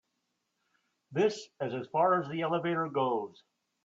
This is as far as the elevator goes.